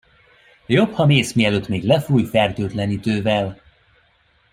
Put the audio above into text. Jobb ha mész, mielőtt még lefúj fertőtlenítővel.